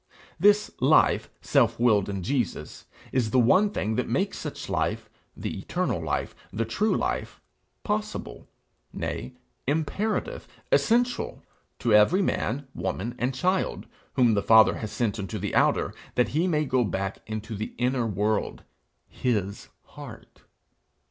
This life, self willed in Jesus, is the one thing that makes such life the eternal life, the true life, possible nay, imperative, essential, to every man, woman, and child, whom the Father has sent into the outer, that he may go back into the inner world, his heart.